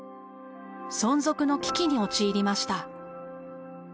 存続の危機に陥りました。